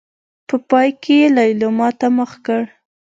په پای کې يې ليلما ته مخ کړ.